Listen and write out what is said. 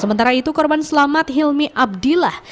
sementara itu korban selamat hilmi abdillah